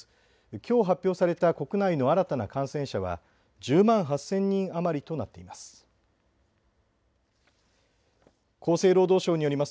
きょう発表された国内の新たな感染者は１０万８０００人余りとなっています。